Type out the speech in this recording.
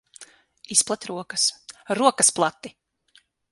Izplet rokas. Rokas plati!